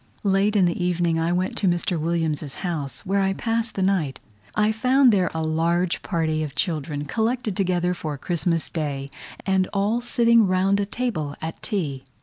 Late in the evening I went to Mr. Williams's house, where I passed the night. I found there a large party of children, collected together for Christmas Day, and all sitting round a table at tea.